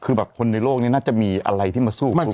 คือแบบคนในโลกนี้น่าจะมีอะไรที่มาสู้กับพวกเรา